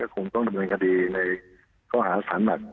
จะต้องถึงออกคำถามหนังในค้าสั่นหลัก